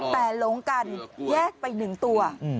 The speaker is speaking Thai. แต่หลงกันแยกไปหนึ่งตัว